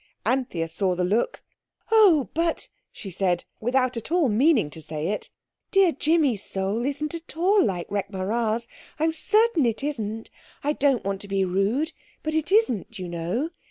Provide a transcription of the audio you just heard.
Anthea saw the look. "Oh, but," she said, without at all meaning to say it, "dear Jimmy's soul isn't at all like Rekh marā's. I'm certain it isn't. I don't want to be rude, but it isn't, you know.